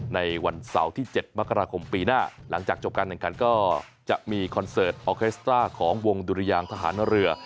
ในวันเสาร์ที่๗มกราคมปีหน้าหลังจากจบการแข่งขันก็จะมีคอนเสิร์ตออเคสตราของวงดุรยางทหารเรือ